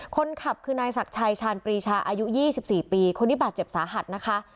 คนขับคือนายศักดิ์ชัยชาญปรีชาอายุ๒๔ปีคนที่บาดเจ็บสาหัสนะคะ